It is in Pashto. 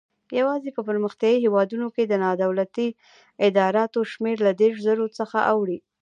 یوازې په پرمختیایي هیوادونو کې د نادولتي ادراراتو شمېر له دېرش زرو څخه اوړي.